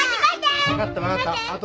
分かった分かった後でな。